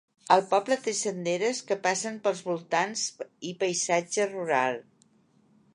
El poble té senderes que passen pels voltants i paisatge rural.